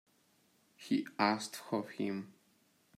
He asked for him.